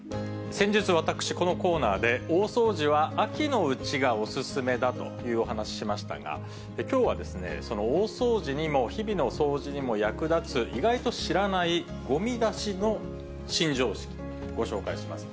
先日、私、このコーナーで大掃除は秋のうちがお勧めだという話をしましたが、きょうはその大掃除にも日々の掃除にも役立つ意外と知らないごみ出しの新常識、ご紹介します。